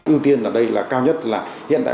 ưu tiên ở đây là cao nhất là hiện đại